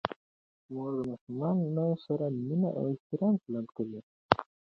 مور د ماشومانو سره مینه او احترام چلند کوي.